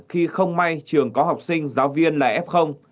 khi không may trường có học sinh giáo viên là f